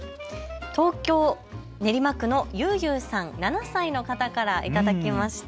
東京練馬区のゆうゆうさん７歳の方から頂きました。